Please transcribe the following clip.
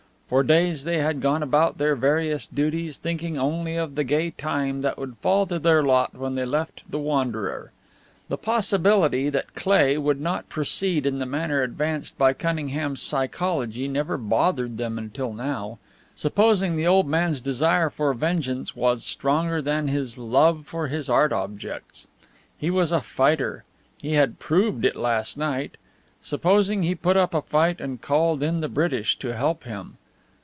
For days they had gone about their various duties thinking only of the gay time that would fall to their lot when they left the Wanderer. The possibility that Cleigh would not proceed in the manner advanced by Cunningham's psychology never bothered them until now. Supposing the old man's desire for vengeance was stronger than his love for his art objects? He was a fighter; he had proved it last night. Supposing he put up a fight and called in the British to help him?